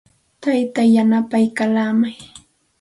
Taytaa yanapaykallaamay.